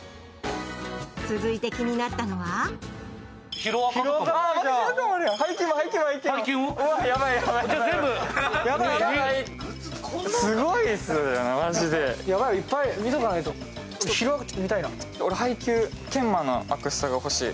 続いて気になったのはヤバい、ヤバい。